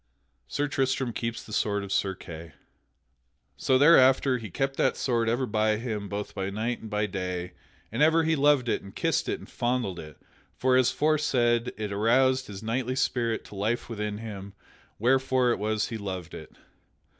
[Sidenote: Sir Tristram keeps the sword of Sir Kay] So thereafter he kept that sword ever by him both by night and by day, and ever he loved it and kissed it and fondled it; for, as aforesaid, it aroused his knightly spirit to life within him, wherefore it was he loved it.